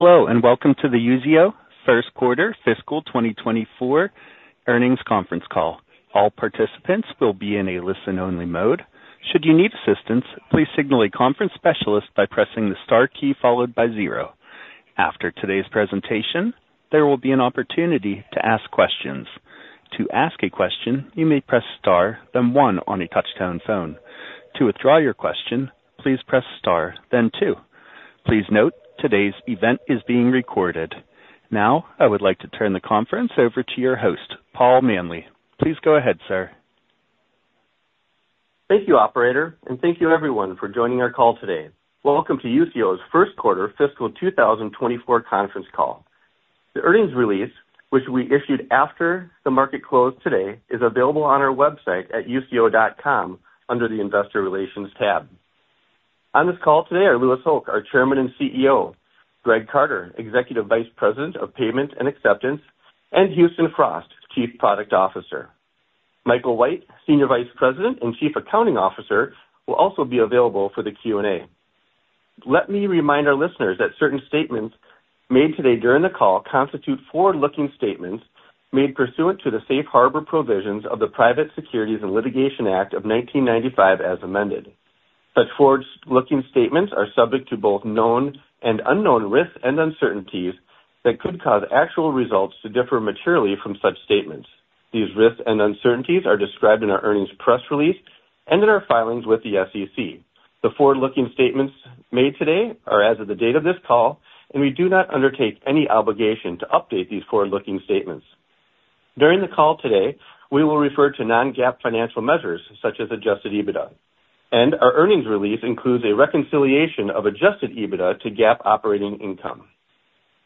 Hello and welcome to the Usio Q1 Fiscal 2024 Earnings Conference Call. All participants will be in a listen-only mode. Should you need assistance, please signal a conference specialist by pressing the star key followed by zero. After today's presentation, there will be an opportunity to ask questions. To ask a question, you may press star, then one on a touch-tone phone. To withdraw your question, please press star, then two. Please note, today's event is being recorded. Now I would like to turn the conference over to your host, Paul Manley. Please go ahead, sir. Thank you, operator, and thank you, everyone, for joining our call today. Welcome to Usio's Q1 Fiscal 2024 Conference Call. The earnings release, which we issued after the market closed today, is available on our website at usio.com under the Investor Relations tab. On this call today are Louis Hoch, our Chairman and CEO, Greg Carter, Executive Vice President of Payment and Acceptance, and Houston Frost, Chief Product Officer. Michael White, Senior Vice President and Chief Accounting Officer, will also be available for the Q&A. Let me remind our listeners that certain statements made today during the call constitute forward-looking statements made pursuant to the Safe Harbor Provisions of the Private Securities and Litigation Act of 1995 as amended. Such forward-looking statements are subject to both known and unknown risks and uncertainties that could cause actual results to differ materially from such statements. These risks and uncertainties are described in our earnings press release and in our filings with the SEC. The forward-looking statements made today are as of the date of this call, and we do not undertake any obligation to update these forward-looking statements. During the call today, we will refer to non-GAAP financial measures such as Adjusted EBITDA, and our earnings release includes a reconciliation of Adjusted EBITDA to GAAP operating income.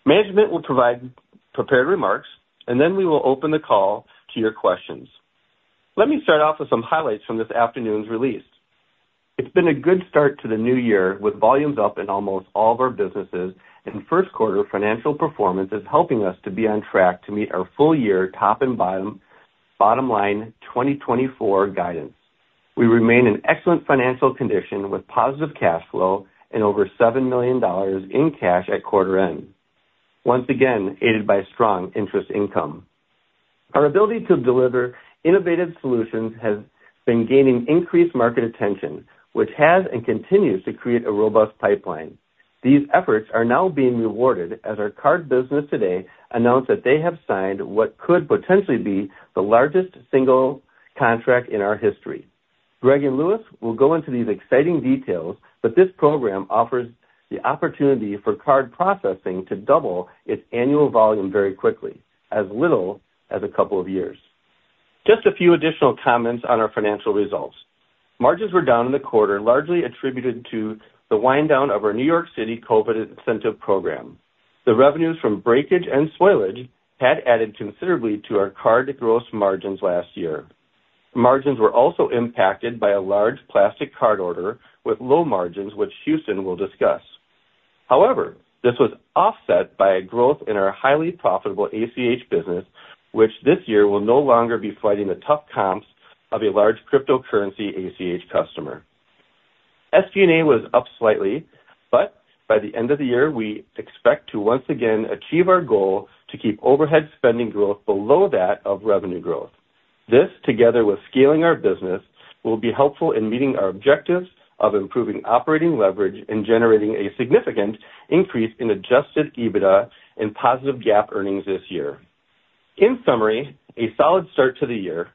Management will provide prepared remarks, and then we will open the call to your questions. Let me start off with some highlights from this afternoon's release. It's been a good start to the new year with volumes up in almost all of our businesses, and first-quarter financial performance is helping us to be on track to meet our full-year top and bottom line 2024 guidance. We remain in excellent financial condition with positive cash flow and over $7 million in cash at quarter end, once again aided by strong interest income. Our ability to deliver innovative solutions has been gaining increased market attention, which has and continues to create a robust pipeline. These efforts are now being rewarded as our card business today announced that they have signed what could potentially be the largest single contract in our history. Greg and Louis will go into these exciting details, but this program offers the opportunity for card processing to double its annual volume very quickly, as little as a couple of years. Just a few additional comments on our financial results. Margins were down in the quarter, largely attributed to the wind-down of our New York City COVID incentive program. The revenues from breakage and spoilage had added considerably to our card gross margins last year. Margins were also impacted by a large plastic card order with low margins, which Houston will discuss. However, this was offset by a growth in our highly profitable ACH business, which this year will no longer be fighting the tough comps of a large cryptocurrency ACH customer. SG&A was up slightly, but by the end of the year, we expect to once again achieve our goal to keep overhead spending growth below that of revenue growth. This, together with scaling our business, will be helpful in meeting our objectives of improving operating leverage and generating a significant increase in Adjusted EBITDA and positive GAAP earnings this year. In summary, a solid start to the year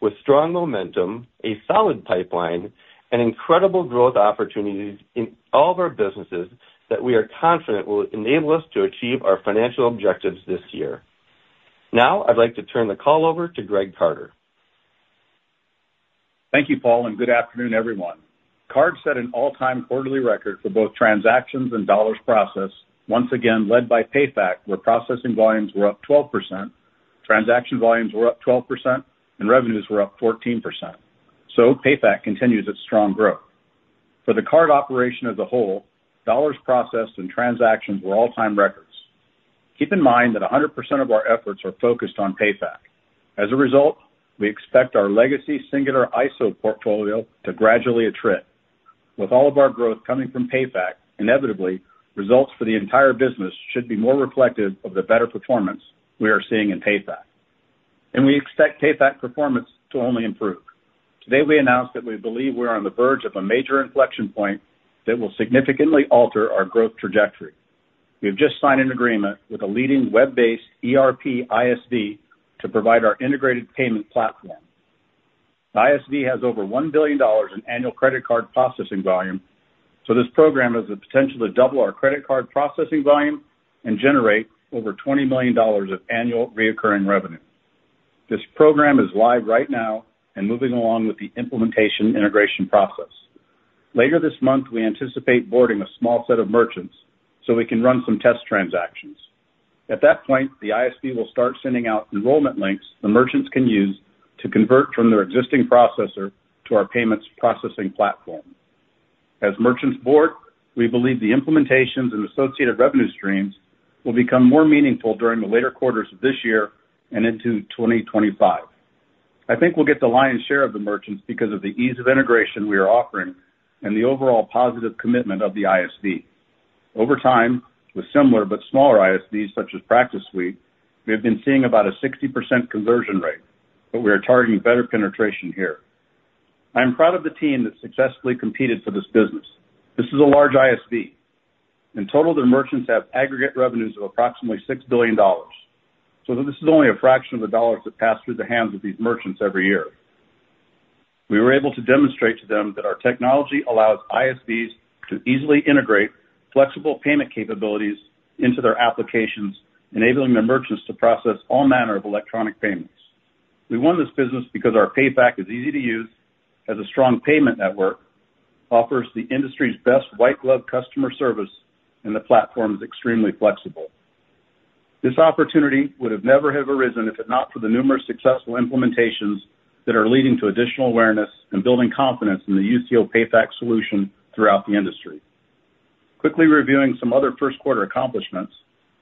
with strong momentum, a solid pipeline, and incredible growth opportunities in all of our businesses that we are confident will enable us to achieve our financial objectives this year. Now I'd like to turn the call over to Greg Carter. Thank you, Paul, and good afternoon, everyone. Cards set an all-time quarterly record for both transactions and dollars processed, once again led by PayFac, where processing volumes were up 12%. Transaction volumes were up 12%, and revenues were up 14%. So PayFac continues its strong growth. For the card operation as a whole, dollars processed and transactions were all-time records. Keep in mind that 100% of our efforts are focused on PayFac. As a result, we expect our legacy Singular ISV portfolio to gradually attrit. With all of our growth coming from PayFac, inevitably, results for the entire business should be more reflective of the better performance we are seeing in PayFac. And we expect PayFac performance to only improve. Today we announced that we believe we are on the verge of a major inflection point that will significantly alter our growth trajectory. We have just signed an agreement with a leading web-based ERP ISV to provide our integrated payment platform. ISV has over $1 billion in annual credit card processing volume, so this program has the potential to double our credit card processing volume and generate over $20 million of annual recurring revenue. This program is live right now and moving along with the implementation integration process. Later this month, we anticipate boarding a small set of merchants so we can run some test transactions. At that point, the ISV will start sending out enrollment links the merchants can use to convert from their existing processor to our payments processing platform. As merchants board, we believe the implementations and associated revenue streams will become more meaningful during the later quarters of this year and into 2025. I think we'll get the lion's share of the merchants because of the ease of integration we are offering and the overall positive commitment of the ISV. Over time, with similar but smaller ISVs such as PracticeSuite, we have been seeing about a 60% conversion rate, but we are targeting better penetration here. I am proud of the team that successfully competed for this business. This is a large ISV. In total, their merchants have aggregate revenues of approximately $6 billion, so this is only a fraction of the dollars that pass through the hands of these merchants every year. We were able to demonstrate to them that our technology allows ISVs to easily integrate flexible payment capabilities into their applications, enabling their merchants to process all manner of electronic payments. We won this business because our PayFac is easy to use, has a strong payment network, offers the industry's best white-glove customer service, and the platform is extremely flexible. This opportunity would have never arisen if it not for the numerous successful implementations that are leading to additional awareness and building confidence in the Usio PayFac solution throughout the industry. Quickly reviewing some other first-quarter accomplishments,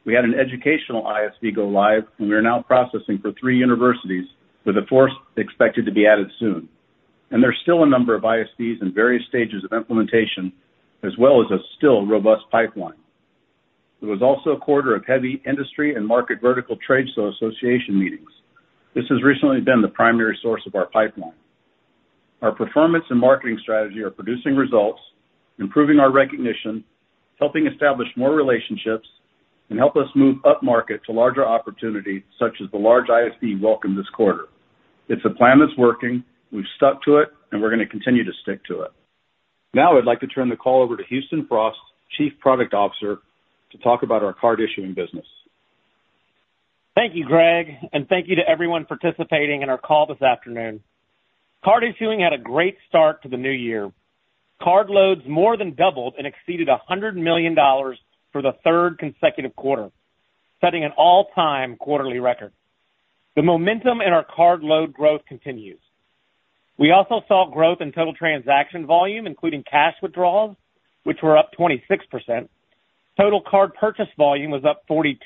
we had an educational ISV go live, and we are now processing for three universities with a fourth expected to be added soon. And there's still a number of ISVs in various stages of implementation, as well as a still robust pipeline. There was also a quarter of heavy industry and market vertical trade association meetings. This has recently been the primary source of our pipeline. Our performance and marketing strategy are producing results, improving our recognition, helping establish more relationships, and help us move up market to larger opportunities such as the large ISV welcome this quarter. It's a plan that's working. We've stuck to it, and we're going to continue to stick to it. Now I'd like to turn the call over to Houston Frost, Chief Product Officer, to talk about our card issuing business. Thank you, Greg, and thank you to everyone participating in our call this afternoon. Card Issuing had a great start to the new year. Card loads more than doubled and exceeded $100 million for the third consecutive quarter, setting an all-time quarterly record. The momentum in our card load growth continues. We also saw growth in total transaction volume, including cash withdrawals, which were up 26%. Total card purchase volume was up 42%.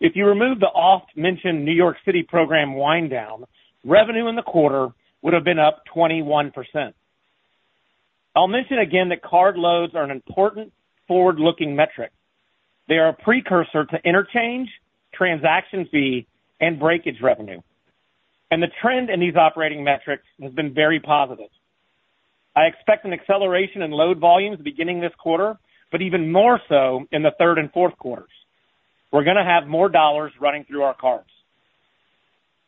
If you remove the oft-mentioned New York City program wind-down, revenue in the quarter would have been up 21%. I'll mention again that card loads are an important forward-looking metric. They are a precursor to interchange, transaction fee, and breakage revenue. The trend in these operating metrics has been very positive. I expect an acceleration in load volumes beginning this quarter, but even more so in the third and fourth quarters. We're going to have more dollars running through our cards.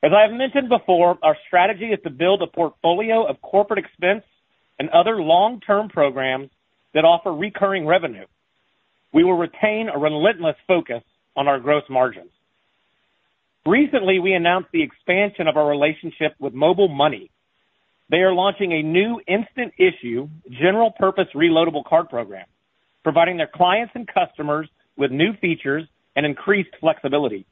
As I have mentioned before, our strategy is to build a portfolio of corporate expense and other long-term programs that offer recurring revenue. We will retain a relentless focus on our gross margins. Recently, we announced the expansion of our relationship with MobileMoney. They are launching a new instant issue, general-purpose reloadable card program, providing their clients and customers with new features and increased flexibility.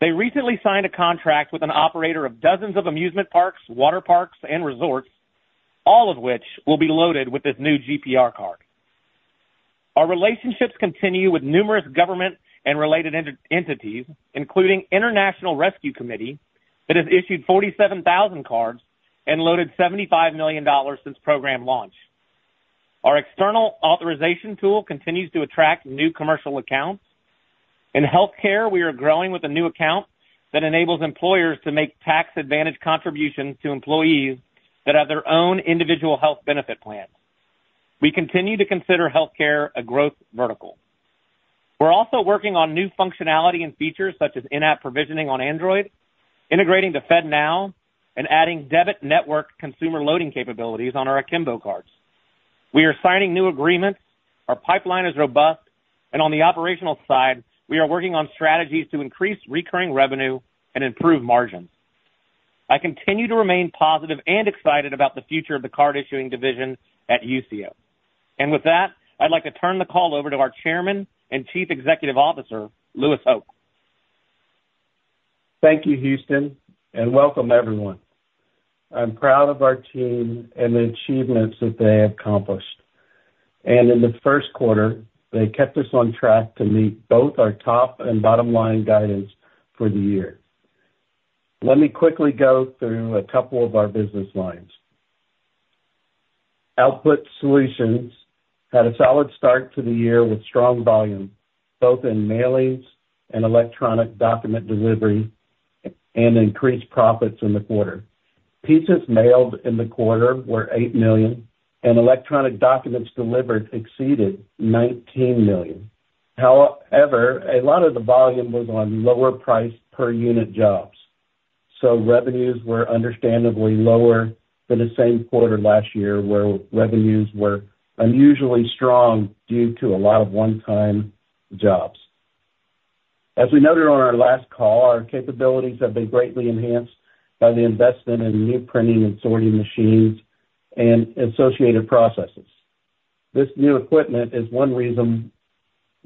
They recently signed a contract with an operator of dozens of amusement parks, water parks, and resorts, all of which will be loaded with this new GPR card. Our relationships continue with numerous government and related entities, including International Rescue Committee, that has issued 47,000 cards and loaded $75 million since program launch. Our external authorization tool continues to attract new commercial accounts. In healthcare, we are growing with a new account that enables employers to make tax-advantaged contributions to employees that have their own individual health benefit plan. We continue to consider healthcare a growth vertical. We're also working on new functionality and features such as in-app provisioning on Android, integrating to FedNow, and adding debit network consumer loading capabilities on our Akimbo cards. We are signing new agreements. Our pipeline is robust, and on the operational side, we are working on strategies to increase recurring revenue and improve margins. I continue to remain positive and excited about the future of the card issuing division at Usio. With that, I'd like to turn the call over to our Chairman and Chief Executive Officer, Louis Hoch. Thank you, Houston, and welcome, everyone. I'm proud of our team and the achievements that they have accomplished. In Q1, they kept us on track to meet both our top and bottom line guidance for the year. Let me quickly go through a couple of our business lines. Output Solutions had a solid start to the year with strong volume, both in mailings and electronic document delivery, and increased profits in the quarter. Pieces mailed in the quarter were eight million, and electronic documents delivered exceeded 19 million. However, a lot of the volume was on lower-priced per-unit jobs, so revenues were understandably lower than the same quarter last year where revenues were unusually strong due to a lot of one-time jobs. As we noted on our last call, our capabilities have been greatly enhanced by the investment in new printing and sorting machines and associated processes. This new equipment is one reason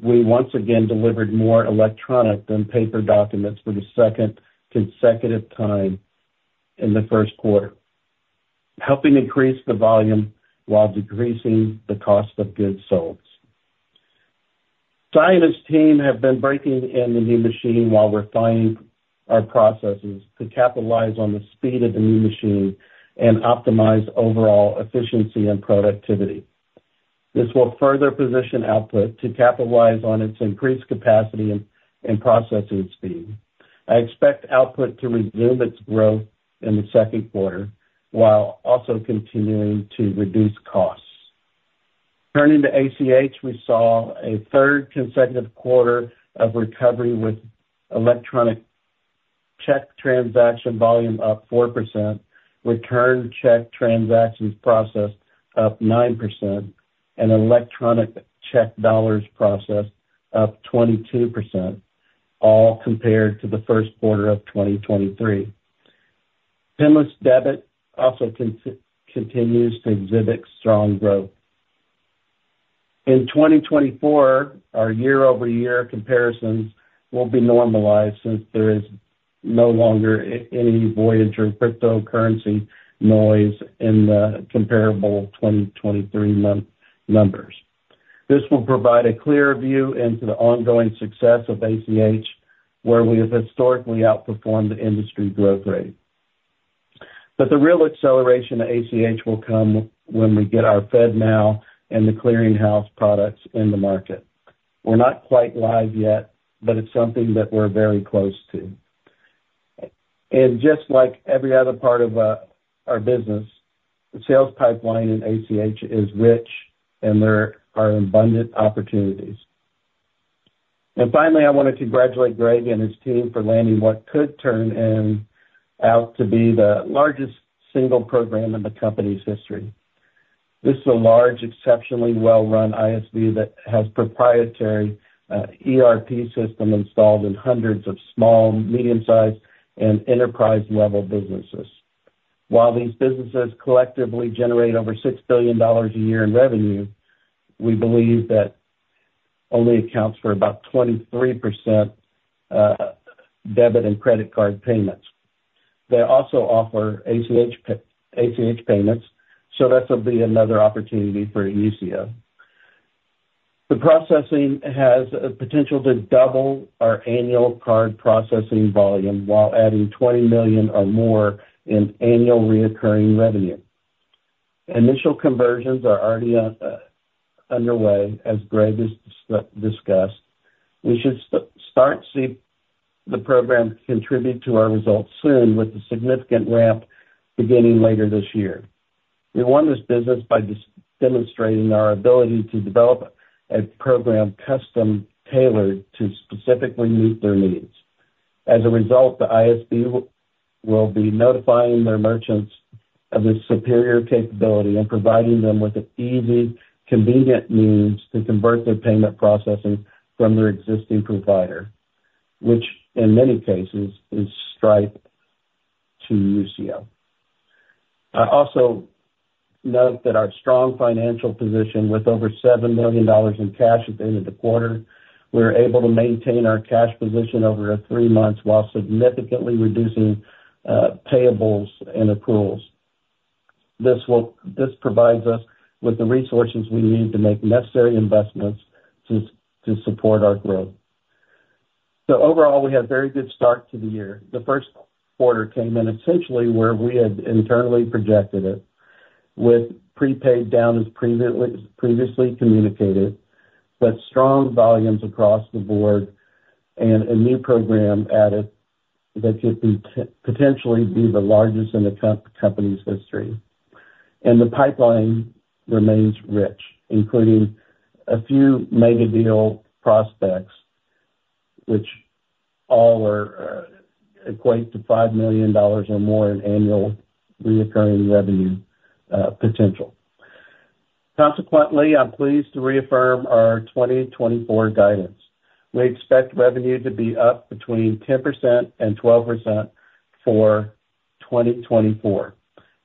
we once again delivered more electronic than paper documents for the second consecutive time in Q1, helping increase the volume while decreasing the cost of goods sold. Zion and his team have been breaking in the new machine while refining our processes to capitalize on the speed of the new machine and optimize overall efficiency and productivity. This will further position Output to capitalize on its increased capacity and processing speed. I expect Output to resume its growth in the second quarter while also continuing to reduce costs. Turning to ACH, we saw a third consecutive quarter of recovery with electronic check transaction volume up 4%, return check transactions processed up 9%, and electronic check dollars processed up 22%, all compared to Q1 of 2023. Pinless Debit also continues to exhibit strong growth. In 2024, our year-over-year comparisons will be normalized since there is no longer any Voyager cryptocurrency noise in the comparable 2023 numbers. This will provide a clearer view into the ongoing success of ACH, where we have historically outperformed the industry growth rate. But the real acceleration to ACH will come when we get our FedNow and the Clearing House products in the market. We're not quite live yet, but it's something that we're very close to. And just like every other part of our business, the sales pipeline in ACH is rich, and there are abundant opportunities. And finally, I want to congratulate Greg and his team for landing what could turn out to be the largest single program in the company's history. This is a large, exceptionally well-run ISV that has proprietary ERP systems installed in hundreds of small, medium-sized, and enterprise-level businesses. While these businesses collectively generate over $6 billion a year in revenue, we believe that only accounts for about 23% debit and credit card payments. They also offer ACH payments, so that will be another opportunity for Usio. The processing has the potential to double our annual card processing volume while adding $20 million or more in annual recurring revenue. Initial conversions are already underway, as Greg has discussed. We should start to see the program contribute to our results soon, with a significant ramp beginning later this year. We won this business by demonstrating our ability to develop a program custom-tailored to specifically meet their needs. As a result, the ISV will be notifying their merchants of this superior capability and providing them with easy, convenient means to convert their payment processing from their existing provider, which in many cases is Stripe, to Usio. I also note that our strong financial position, with over $7 million in cash at the end of the quarter. We were able to maintain our cash position over three months while significantly reducing payables and accruals. This provides us with the resources we need to make necessary investments to support our growth. So overall, we had a very good start to the year. Q1 came in essentially where we had internally projected it, with prepaid down as previously communicated, but strong volumes across the board and a new program added that could potentially be the largest in the company's history. And the pipeline remains rich, including a few mega-deal prospects, which all equate to $5 million or more in annual recurring revenue potential. Consequently, I'm pleased to reaffirm our 2024 guidance. We expect revenue to be up between 10% and 12% for 2024.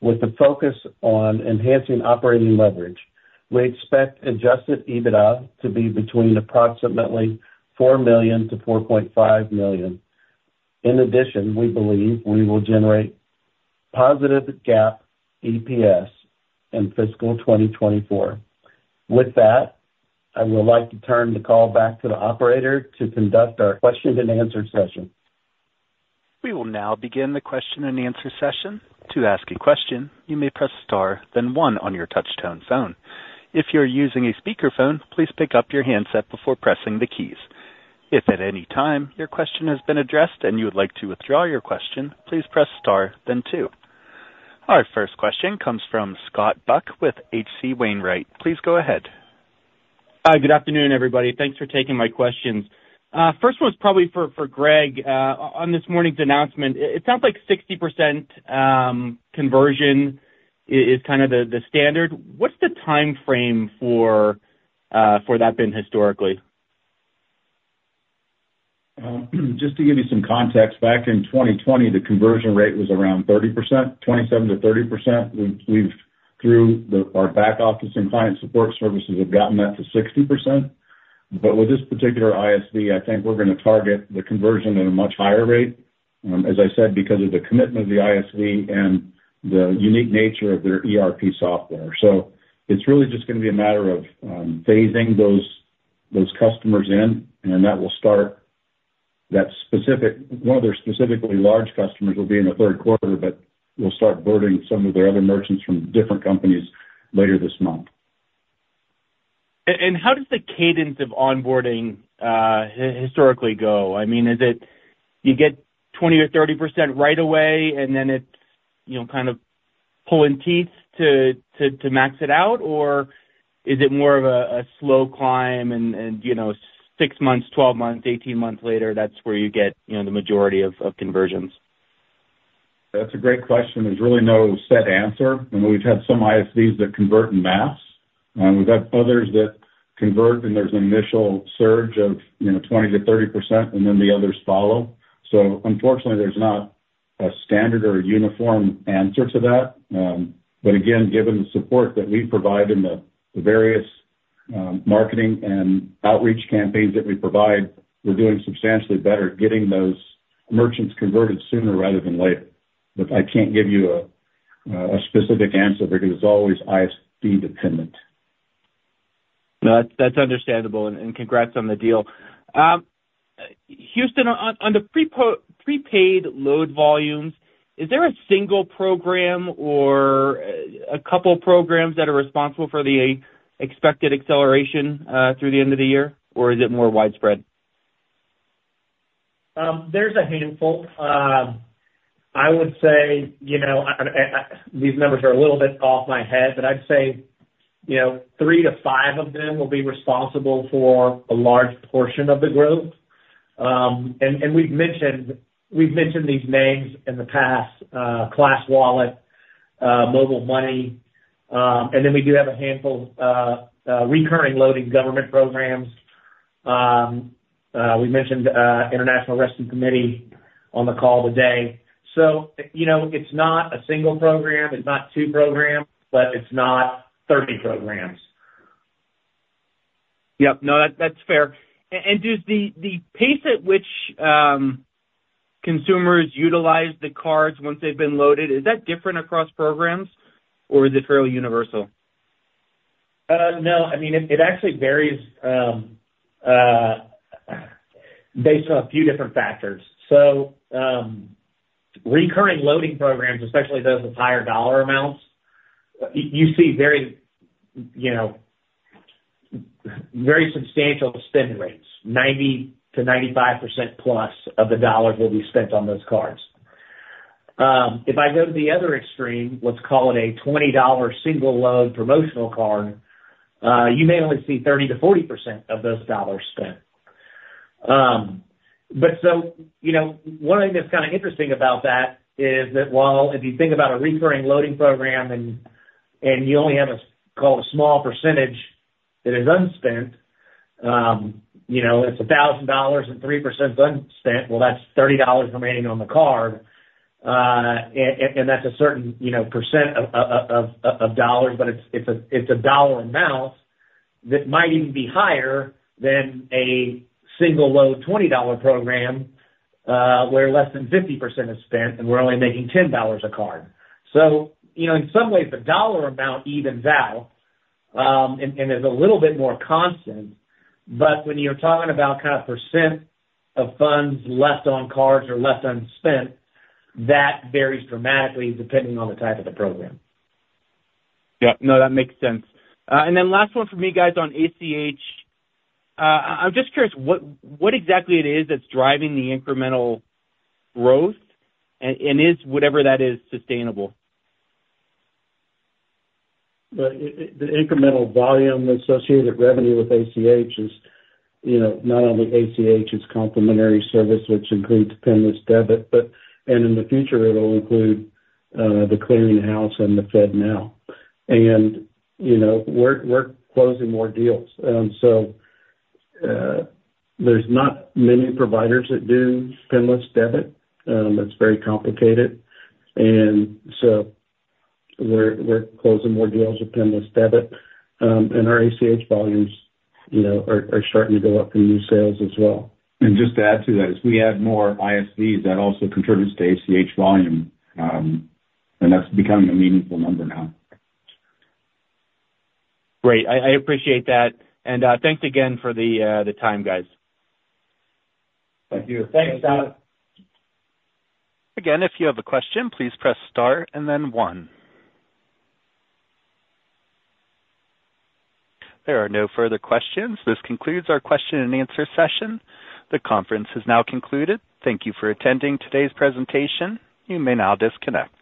With the focus on enhancing operating leverage, we expect Adjusted EBITDA to be between approximately $4- 4.5 million. In addition, we believe we will generate positive GAAP EPS in fiscal 2024. With that, I would like to turn the call back to the operator to conduct our question-and-answer session. We will now begin the question-and-answer session. To ask a question, you may press star, then one, on your touch-tone phone. If you're using a speakerphone, please pick up your handset before pressing the keys. If at any time your question has been addressed and you would like to withdraw your question, please press star, then two. Our first question comes from Scott Buck with H.C. Wainwright. Please go ahead. Good afternoon, everybody. Thanks for taking my questions. First one is probably for Greg. On this morning's announcement, it sounds like 60% conversion is kind of the standard. What's the time frame for that been historically? Just to give you some context, back in 2020, the conversion rate was around 30%, 27%-30%. Through our back office and client support services, we've gotten that to 60%. But with this particular ISV, I think we're going to target the conversion at a much higher rate, as I said, because of the commitment of the ISV and the unique nature of their ERP software. So it's really just going to be a matter of phasing those customers in, and that will start. One of their specifically large customers will be in Q3, but we'll start onboarding some of their other merchants from different companies later this month. How does the cadence of onboarding historically go? I mean, you get 20% or 30% right away, and then it's kind of pulling teeth to max it out, or is it more of a slow climb and six months, 12 months, 18 months later, that's where you get the majority of conversions? That's a great question. There's really no set answer. I mean, we've had some ISVs that convert en masse. We've had others that convert, and there's an initial surge of 20%-30%, and then the others follow. So unfortunately, there's not a standard or a uniform answer to that. But again, given the support that we provide in the various marketing and outreach campaigns that we provide, we're doing substantially better at getting those merchants converted sooner rather than later. But I can't give you a specific answer because it's always ISV-dependent. No, that's understandable, and congrats on the deal. Houston, on the prepaid load volumes, is there a single program or a couple of programs that are responsible for the expected acceleration through the end of the year, or is it more widespread? There's a handful. I would say these numbers are a little bit off my head, but I'd say three to five of them will be responsible for a large portion of the growth. We've mentioned these names in the past: ClassWallet, MobileMoney. Then we do have a handful of recurring loading government programs. We mentioned International Rescue Committee on the call today. So it's not a single program. It's not two programs, but it's not 30 programs. Yep. No, that's fair. And does the pace at which consumers utilize the cards once they've been loaded, is that different across programs, or is it fairly universal? No. I mean, it actually varies based on a few different factors. So recurring loading programs, especially those with higher dollar amounts, you see very substantial spend rates, 90%-95% plus of the dollars will be spent on those cards. If I go to the other extreme, let's call it a $20 single-load promotional card, you may only see 30%-40% of those dollars spent. But so one thing that's kind of interesting about that is that while if you think about a recurring loading program and you only have a, call it, a small percentage that is unspent, it's $1,000 and 3% is unspent. Well, that's $30 remaining on the card, and that's a certain % of dollars, but it's a dollar amount that might even be higher than a single-load $20 program where less than 50% is spent and we're only making $10 a card. So in some ways, the dollar amount evens out and is a little bit more constant. But when you're talking about kind of % of funds left on cards or left unspent, that varies dramatically depending on the type of the program. Yep. No, that makes sense. And then last one for me, guys, on ACH. I'm just curious what exactly it is that's driving the incremental growth, and is whatever that is sustainable? The incremental volume associated with revenue with ACH is not only ACH's complementary service, which includes Pinless Debit, and in the future, it'll include the Clearing House and the FedNow. We're closing more deals. There's not many providers that do Pinless Debit. It's very complicated. We're closing more deals with Pinless Debit, and our ACH volumes are starting to go up from new sales as well. Just to add to that, as we add more ISVs, that also contributes to ACH volume, and that's becoming a meaningful number now. Great. I appreciate that. And thanks again for the time, guys. Thank you. Thanks, Scott. Again, if you have a question, please press star and then one. There are no further questions. This concludes our question-and-answer session. The conference has now concluded. Thank you for attending today's presentation. You may now disconnect.